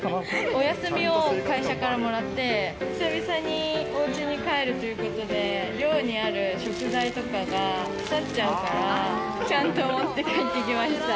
お休みを会社からもらって、久々におうちに帰るということで、寮にある食材とかが腐っちゃうから、ちゃんと持って帰ってきました。